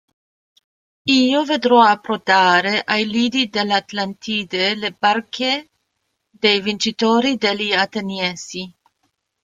Io vedrò approdare ai lidi dell'Atlantide le barche dei vincitori degli Ateniesi.